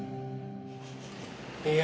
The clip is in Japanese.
いや。